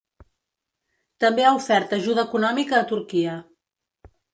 També ha ofert ajuda econòmica a Turquia.